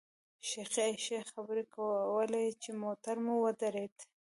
شیخې عایشې خبرې کولې چې موټر مو ودرېد.